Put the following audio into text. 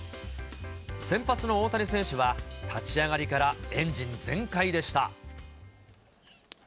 先発の大谷選手は、立ち上がりからエンジン全開でした。